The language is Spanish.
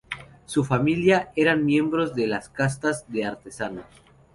Su familia eran miembros de las castas de artesanos.